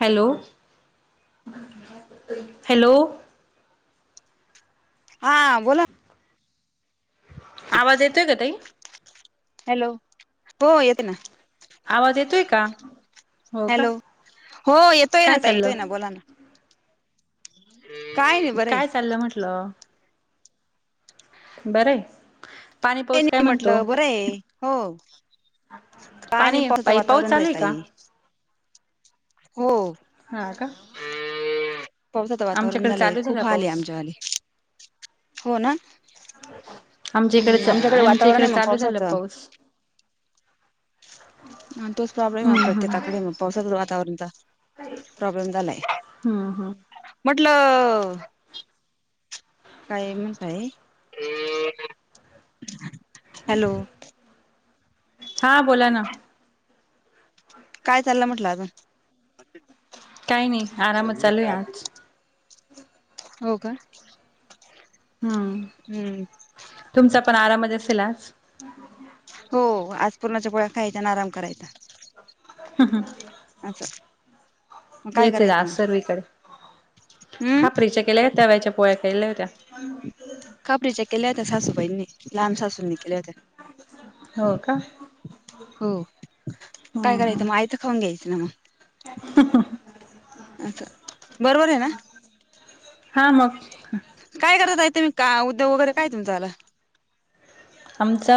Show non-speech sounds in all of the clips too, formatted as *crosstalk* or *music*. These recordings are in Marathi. हॅलो! हॅलो! हां बोला. आवाज येतोय का ताई? हॅलो! हो येतो ना. आवाज येतोय का? हो का हॅलो! हो येतोय ना काय ताई येतोय ना चाललं बोला ना. काय नाही बरं आहे काय चाललं म्हंटलं! बरं आहे. काय नाही म्हटलं बरं आहे. हो काय नाही पाणी पावसाचा पाई पाऊस वातावरण चालू आहे का ताई. हो. हां का? पावसाचं वातावरण आमच्याकडे झालंय चालू खूप झाला हाल आहे पाऊस आमचे वाले. हो ना! आमच्या इकडे हम्म चा आमच्याकडे आमच्या वातावरण इकडे आहे मग चालू झाला पावसाचं. पाऊस तोच प्रॉब्लेम आहे हम्म हम्म प्रत्येकाकडे मग पावसाचं वातावरण चा. प्रॉब्लेम झालाय, हम्म हम्म म्हटलं काय म्हणताय? हॅलो! हां बोला ना. काय चाललं म्हटलं अजून? काय नाही आरामच चालूये आज. हो का. हा, हम्म तुमचा पण आरामच असेल आज? हो, आज पुरणाच्या पोळ्या खायच्या आणि आराम करायचा. हा हं अस हेच आहे आज सर्वीकडे, हम् खापरीच्या केल्या अ तव्याच्या पोळ्या केल्या होत्या. *unintelligible* खापरीच्या केल्या होत्या सासूबाईंनी, लहान सासूंनी केल्या होत्या. हो का हो, हम्म काय करायचं हम्म मग आयत खाऊन घ्यायचं ना म. हा का, बरोबर आहे ना. हा मग काय करता ताई तुम्ही का, उद्योग वगैरे काय तुमचा वाला? आमच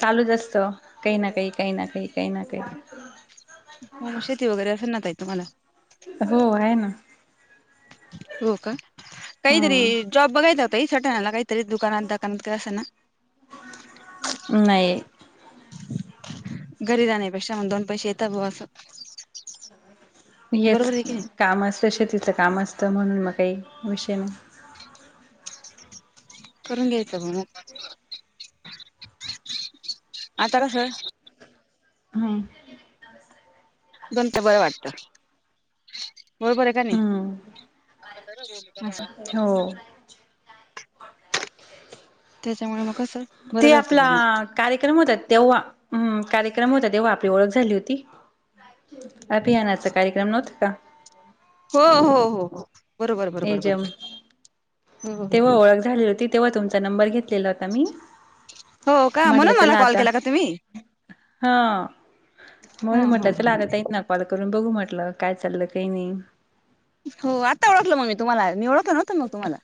चालूच असत काही ना काही, काही ना काही, काही ना काही. हो म शेती वगैरे असेल ना ताई तुम्हाला? हो आहे ना. हो का. काहीतरी हम्म जॉब बघायचा ओ ताई, सटाण्याला काहीतरी दुकानात दकानात काय असं ना. नाही. घरी राहण्यापेक्षा, मंग दोन पैसे येता बुवा अस. हेच काम असत शेतीच काम असत म्हणून मग काही विषय नाही. करून घ्यायचं *inaudible* आता कसं हा अजून ते बरं वाटतं. बरोबर आहे का नाही, हम्म अस. हो त्याच्यामुळे मग कसं बरं ते राहतं आपला बुवा मग कार्यक्रम होता तेव्हा, हम्म कार्यक्रम होता तेव्हा आपली ओळख झाली होती. अभियानाचा कार्यक्रम नव्हता का? हो हो हो हो, बरोबर बरोबर एजम बरोबर. हो तेव्हा हो ओळख झाली होती तेव्हा तुमचा नंबर घेतलेला हो ता मी हो का म्हटलं म्हणून मला चला कॉल आता, केला का तुम्ही? हा. हा म्हणून हा म्हटल हा. चला आता ताईंना कॉल करून बघू म्हटलं, काय चाललं काय नाही. हो आता ओळखलं म मी तुम्हाला, मी ओळखल न्हवतं मग तुम्हाला.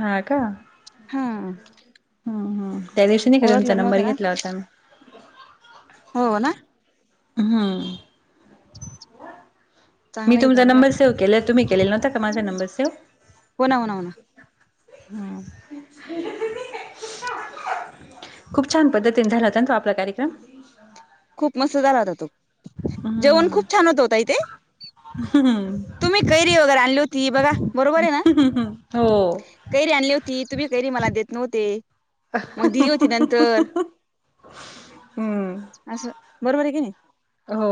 हा का? हा हम्म हम्म, त्या दिवशी नाही का तुमचा ओळखलं नंबर नव्हतं ना घेतला होता मी. हो ना. हम्म मी चांगलं आहे तुमचा जाऊ द्या नंबर सेव केला, तुम्ही केलेला नव्हता का माझा नंबर सेव्ह? हो ना, हो ना, हो ना. हा, तेजस्विनी एकटीच थांब. खूप छान पद्धतीने झाला होता ना तो आपला कार्यक्रम. खूप मस्त झाला होता तो, जेवण हम्म खूप छान होत ओ ताई ते. तुम्ही कैरी वगैरे आणली होती. बघा बरोबर आहे ना. हो कैरी आणली होती. तुम्ही कैरी मला देत नव्हते. मग दिली होती नंतर. हम्म. असं बरोबर आहे की नाही. हो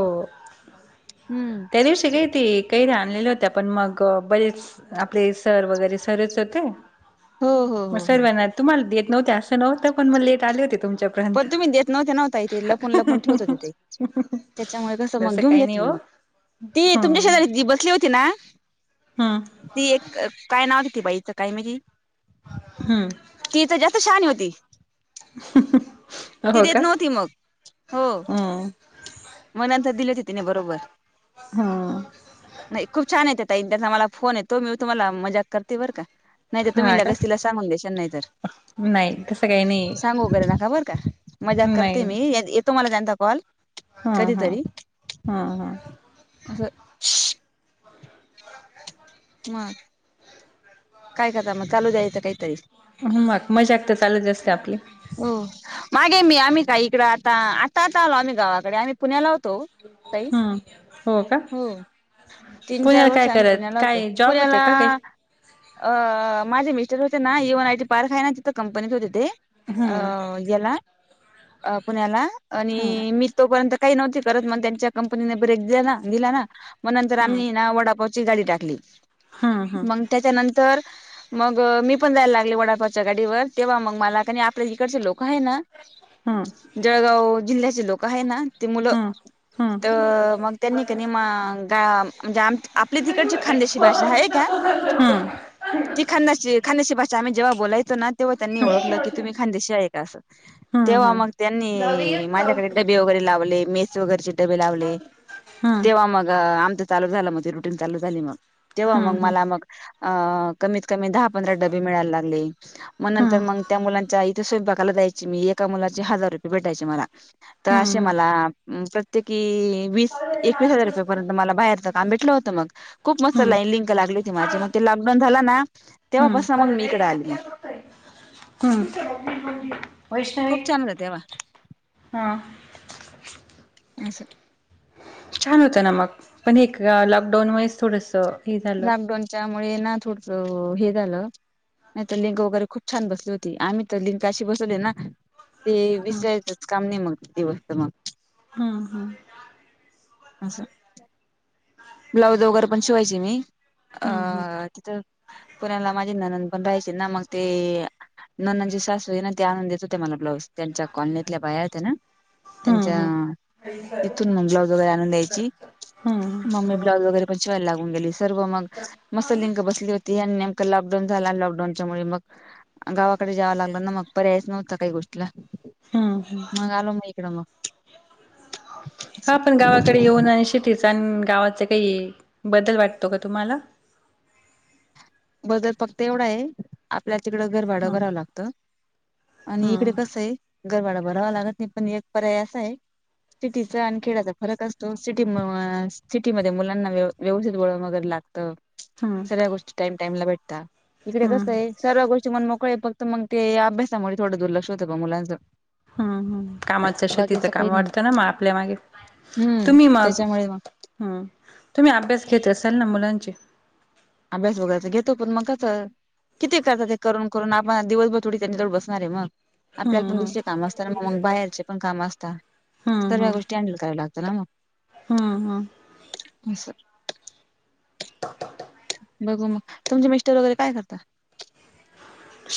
हम्म *inaudible* त्या दिवशी काय ते कैऱ्या आणलेल्या होते. पण मग बरेच आपले सर वगैरे सरेच होते. हो हो मग हो हो. सर्वांना तुम्हाला देत नव्हते असं नव्हतं. पण मग लेट आले होते तुमच्या पण तुम्ही देत नव्हते ना ओ ताई ते. लपून लपून ठेवत होत्या ते. त्याच्यामुळे कसं मग तसं घेऊन काही नाही घेतली हो मग. ती तुमच्या हम्म शेजारी जी बसली होती ना. हम्म. ती एक काय नाव व्हत, ती बाईचं काय माहीती. हम्म. ती त जास्त शहानी होती. ह *inaudible* ती देत नव्हती मग. हम्म म नंतर दिले हो ते तिने बरोबर. हम्म नाही खूप छान आहे. त्या ताई त्याचा मला फोन येतो. मी तुम्हाला मजा कर ते बर का? नाही तर तुम्ही हा का लगेच तिला सांगून देशान नाही तर. नाही तसं काही नाही सांगू वगैरे नका बर का? मजाक नाही करते नाही मी, येतो मला त्यांचा कॉल. हा हा कधीतरी हा हा *inaudible* ह. मग. काय करता मग, चालू द्यायचं काहीतरी. मग मजाक तर चालूच असते, आपली. हो मागे मी आम्ही काही इकड, आता, आता आलो आम्ही गावाकडे, आम्ही पुण्याला होतो. ताई हम्म हो का? तीन चार पुण्याला वर्ष काय आम्ही करत, पुण्याला होतो काय जॉब होते का काही? पुण्याला अ माझे मिस्टर होते ना ईवाना आय टी पार्क आहे ना, तिथं कंपनीत होते ते. अ हम्म याला अ पुण्याला आणि हम्म मी तोपर्यंत. काही नव्हते करत. म त्यांच्या कंपनीने ब्रेक दिला ना, दिला ना मग नंतर आम्ही ये ना वडापाव ची गाडी टाकली. हम्म हम्म मग त्याच्यानंतर मग मी पण जायला लागले, वडापावच्या गाडीवर तेव्हा मग मला कनी आपल्या इकडचे लोक आहे ना हम. जळगाव जिल्ह्याचे लोक आहे ना, ते मुलं. हम्म हम्म तर मग त्यांनी कनी म गा म्हणजे आपली तिकडची खानदेशी भाषा आहे का? हम्म. *inaudible* ती खांदेशी खांदेशी भाषा आम्ही जेव्हा बोलायचो ना. तेव्हा त्यांनी ओळखलं की हम्म तुम्ही खांदेशी आहे का? असं. हम्म तेव्हा मग हम्म जाऊ दे त्यांनी येत जाऊ माझ्याकडे डबे वगैरे लावले, मी मेस वगरचे डबे लावले, हम्म तेव्हा मग आमच चालू झाल. मग रुटीन चालू झाली मग. तेव्हा मग हम्म मला मग. अ कमीत कमी दहा पंधरा डबे मिळायला लागले. मग नंतर हम्म मग त्या मुलांच्या इथे स्वयंपाकाला जायायची मी, एका मुलाचे हजार रुपये भेटायचे मला. तर असे हम्म मला प्रत्येकी वीस एकवीस हजार हम्म रुपयापर्यंत मला बाहेरच काम भेटलं होतं मग. खूप मस्त हम्म लाईन लिंक लागली होती. माझी म ते लॉकडाऊन झाला ना हम्म तेव्हापासून मग मी इकडे आली मग. हम्म वैष्णवी खूप हम्म्म. *inaudible* तेस. छान होतं ना मग पण एक लॉकडाऊनमुळेच थोडंसं. लॉकडॉऊनच्यामुळे ना थोडस हे झालं नाही तर लिंक वगैरे खूप छान बसली होती आम्ही तर लिंक आशी बसवले ना ते हम्म विसरायचंच काम नाही मग ती वास्त मग. हम्म हम्. असं. ब्लाऊज वगैरे पण शिवायचे मी अ हम्म तिथ, पुण्याला माझे ननन पण राहायचे ना मग ते ननद जी सासू आहे ना ते आणून देत होते मला ब्लाऊज त्यांच्या कॉलनीतल्या बाया होत्या ना. त्यांच्या तिथून मग ब्लाऊज वगैरे आणून द्यायची. हम्म. मग मी ब्लाऊज वगैरे पण शिवावला लागून गेली सर्व मग मस्त लिंग बसली हो ते आणि नेमकं लॉकडाऊन झाला आणि लॉकडाऊनच्या मुळे मग गावाकडे जावं लागलं ना मग. पर्यायच नव्हता काही गोष्टीला, हम्म मग आलो मग इकडं मग. हा पण गावाकडे येऊन आणि शेतीच आणि गावाचे काही बदल वाटतो का तुम्हाला? बदल फक्त एवढा आहे आपल्या तिकडं घर भाडं हम्म भरावं लागतं आणि इकडे हम्म कसं आहे घरभाडं भरावा लागत नाही पण एक पर्याय असा आहे सिटीचा आणि खेळाचा फरक असतो सिटी सिटीमध्ये मुलांना व्यव व्यवस्थित वडन वगैरे लागतं. हम्म. सगळ्या गोष्टी टाईम-टाईमला भेटता, इकडे कसं हम्म आहे सर्व गोष्टी मण मोकळे फक्त मग ते अभ्यासामुळे थोडं दुर्लक्ष होतं ग मुलांचं. हम्म हम्म कामाचं शेतीचं बाकीचं काम काही नाही वाटतं ना मग आपल्या मागे. हम्म त्याच्यामुळे मग. हा, तुम्ही अभ्यास घेत असाल ना मुलांचे? अभ्यास वगैरयच घेतो पण मग कसं किती ते *unintelligible* करून-करुन आपण दिवसभर थोडी त्यांच्या जवळ बसणार आहे मग. आपल्याला हम्म पण हम्म दुसरे काम असतातना मग, मग बाहेरचे पण काम असतात. हम्म सगळ्या हम्म गोष्टी हँडल कराया लागत ना मग, हम्म हम्म *inaudible* अस. बघू मग, तुमचे मिस्टर वगैरे काय करतात?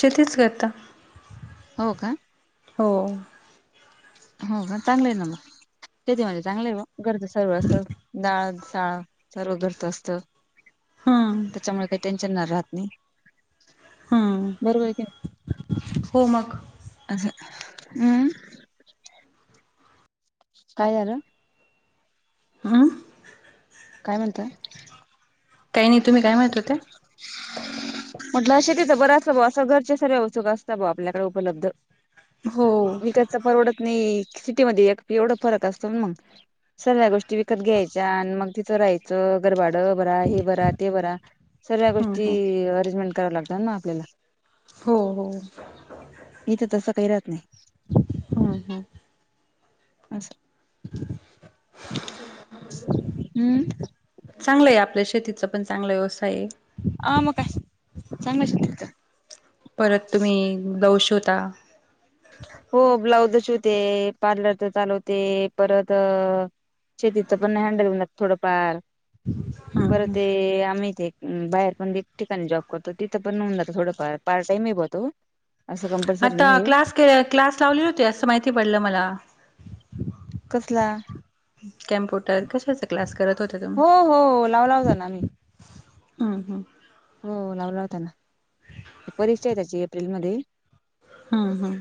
शेतीच करता. हो का? हो. हो हा चांगलं आहे ना मग तेथ म्हणजे चांगलं आहे गरजं सर्व असं डाळ, साळ, - सर्व घरच असत हम्म त्याच्यामुळे काही टेन्शन नाही राहत नाही. हम्म, बरोबर आहे की नाही? *inaudible* हो मग. असं, हम्. काय झालं? हं. काय म्हणताय? काही नाही, तुम्ही काय म्हणत होत? म्हटलं शेतीचं बरं असत ब असं घरचे सर्व्या उत्सुक असतात ब आपल्याकडे उपलब्ध. हो. तसं परवडत नाही. सिटीमध्ये एवढा फरक असतो ना मग सगळ्या गोष्टी विकत घ्यायच्या आणि मग तिथं राहायचं. घर भाडं भरा. हे भरा. ते भरा. सगळ्या हम्म गोष्टी हम्म अरेंजमेंट कराव लागतात ना आपल्याला हो हो. इथे तसं काही राहत नाही. हा हा. असल. हम्म... चांगलं आहे. आपल्या शेतीचा पण चांगला व्यवसाय आहे. ह मग काय चांगलं शेतीच परत तुम्ही ब्लाऊज शिवता. हो ब्लाउज शिवते. पार्लरचा चालवते. परत शेतीच पण नाही हँडल होऊन जात थोडंफार हम्म परत हम्म ते आम्ही ते बाहेर पण एक ठिकाणी जॉब करतो. तिथं पण होऊन जातं थोडंफार पार्ट टाईम होता तो असं कंपल्सरी आता नाहीये क्लास के क्लास लावली होती असं माहिती पडलं मला कसला? कॅम्प्युटर कशाचा क्लास करत होत? हो हो लावला होता ना मी हम् हम्... हो लावला होता ना. ते परीक्षा आहे त्याची एप्रिलमध्ये हम्म हम्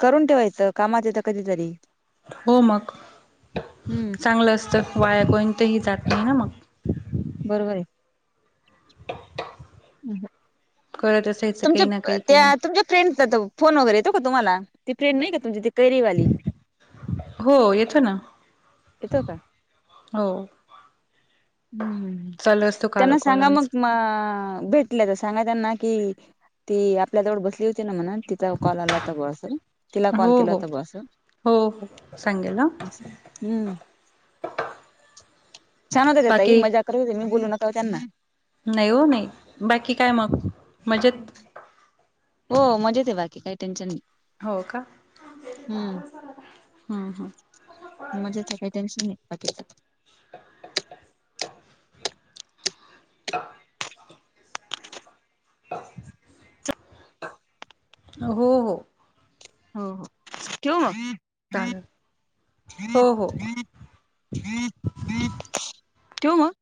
करून ठेवायचं. कामात येतं कधीतरी हो मग हम्म चांगलं असतं. वाया कोणंतही जात नाही ना मग बरोबर आहे. करत असायचं काही ना तुमच्या काही काही ना त्या फ्रेंड्स च तो फोन वगैरेेत का तुम्हाला? ती फ्रेंड नाही का तुमची कैरीवाली? हो येतो ना. येतो का? हो. हम्म हम् चालू असतो काल त्यांना कॉल सांगा मग म आमचा भेट सांगा त्यांना की, ती आपल्या जवळ बसली होती ना म्हणा ती तिचा कॉल आला होता बुआ अस तिला कॉल हो केला हो होता बुआ हो हो सांगेल ह अस. हम्म... छान होत्या त्या ताई बाकी मजाक करून होते मी बोलू नका त्यांना नाही हो नाही बाकी काय मग मजेत? हो मजेत आहे. बाकी काही टेन्शन नाही. हो का? हम्म ह ह. मजेत आहे. काय टेन्शन नाही बाकी आता. *inaudible* *inaudible* *inaudible* हो हो. हो हो. ठेऊ मग? चालेल. हो हो. ठेवू मग?